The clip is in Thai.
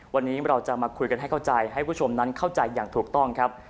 วันนี้เราจะมาคุยกันให้เข้าใจให้ผู้ชมนั้นเข้าใจอย่างถูกต้องครับ